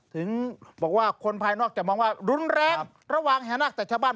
ถึงบอกว่าคนภายนอกจะมองว่ารุนแรงระหว่างแห่นาคแต่ชาวบ้าน